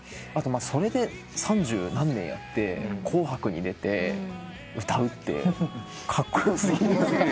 それで三十何年やって『紅白』に出て歌うってカッコよ過ぎ。